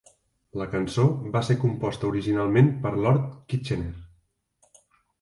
La cançó va ser composta originalment per Lord Kitchener.